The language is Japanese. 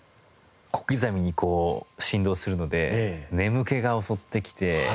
小刻みにこう振動するので眠気が襲ってきて。